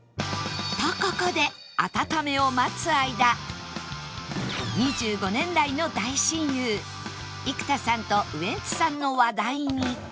とここで２５年来の大親友生田さんとウエンツさんの話題に